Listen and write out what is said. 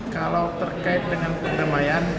kalau terkait dengan pengemaian